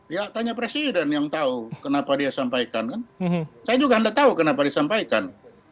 ya tanya presiden yang tahu kenapa dia sampaikan kan saya juga anda tahu kenapa disampaikan